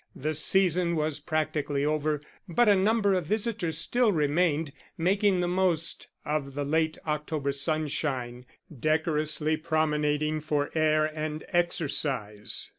The season was practically over, but a number of visitors still remained, making the most of the late October sunshine, decorously promenading for air and exercise.